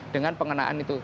dengan pengenaan itu